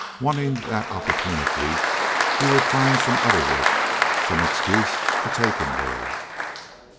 Wanting that opportunity, he would find some other work, some excuse to take him there.